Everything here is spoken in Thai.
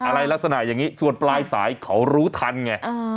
ลักษณะอย่างนี้ส่วนปลายสายเขารู้ทันไง